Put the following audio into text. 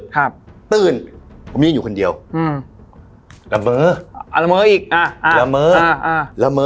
ครับตื่นผมยืนอยู่คนเดียวอืมละเมอละเมออีกอ่ะละเมอ